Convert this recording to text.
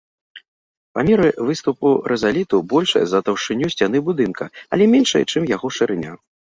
Памеры выступу рызаліту большыя за таўшчыню сцяны будынка, але меншыя, чым яго шырыня.